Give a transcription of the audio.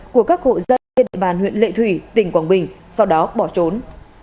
của các hộ dân trên địa bàn huyện lệ thủy tỉnh quảng bình sau đó bỏ trốn